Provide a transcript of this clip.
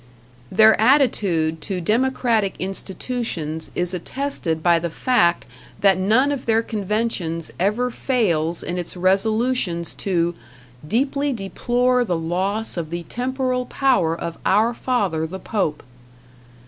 Their attitude to democratic institutions is attested by the fact that none of their conventions ever fails in its resolutions to "deeply deplore the loss of the temporal power of Our Father, the Pope."